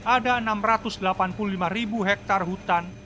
ada enam ratus delapan puluh lima ribu hektare hutan